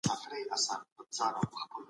سياست پوهنه د ټولنې په پرمختګ کي ارزښت لري.